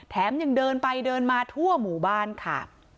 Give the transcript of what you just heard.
แถมยังเดินไปเดินมาทั่วหมู่บ้านค่ะ